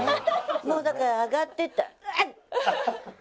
もうだから上がってったら「あっ！」